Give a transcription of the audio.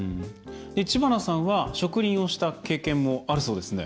知花さんは植林をした経験もあるそうですね。